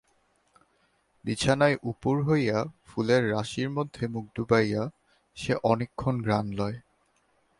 বিছানায় উপুড় হইয়া ফুলের রাশির মধ্যে মুখ ড়ুবাইয়া সে অনেকক্ষণ ঘ্রাণ লয়।